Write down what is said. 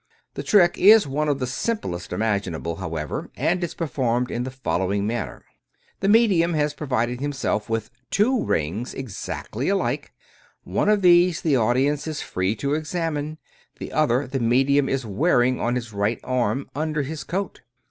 The trick is one of the simplest im aginable, however, and is performed in the following man ner: The medium has provided himself with two rings exactly alike ; one of these the audience is free to examine, the other the medium is wearing on his right arm, under his coat.